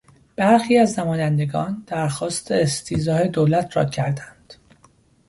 برخی از نمایندگان در خواست استیضاح دولت را کردند.